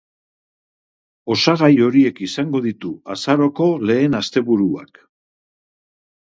Osagai horiek izango ditu azaroko lehen asteburuak.